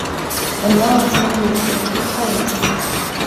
لم يعد سامي يريدك في حياته.